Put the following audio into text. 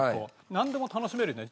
なんでも楽しめるね。